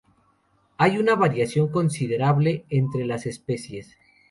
Hay una variación considerable entre las especies.